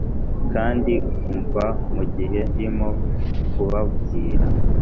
kandi umva mugihe ndimo kubabwira '